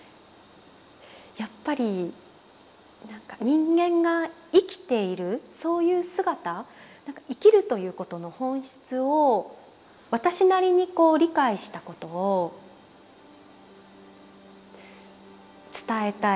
やっぱり人間が生きているそういう姿生きるということの本質を私なりに理解したことを伝えたい。